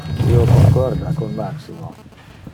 Io concorda con Maximo.